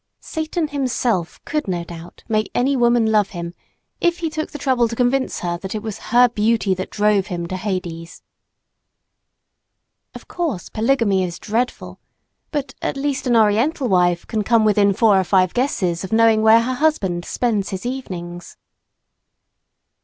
Satan, himself, could no doubt make any woman love him, if he took the trouble to convince her that it was "her beauty that drove him to Hades." Of course, polygamy is dreadful; but, at least, an Oriental wife can come within four or five guesses of knowing where her husband spends his evenings.